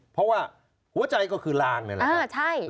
เพราะว่าหัวใจก็คือลางนี่แหละ